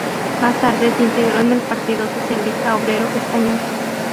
Más tarde se integró en el Partido Socialista Obrero Español.